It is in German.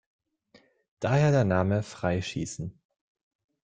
Daher der Name „Freischießen“.